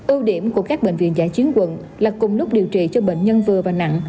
ưu điểm của các bệnh viện giải chiến quận là cùng lúc điều trị cho bệnh nhân vừa và nặng